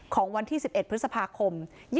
ของวันที่๑๑พฤษภาคม๒๕๖